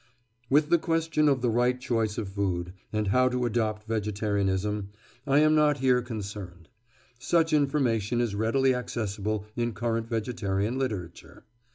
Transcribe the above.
With the question of the right choice of food, and how to adopt vegetarianism, I am not here concerned; such information is readily accessible in current vegetarian literature.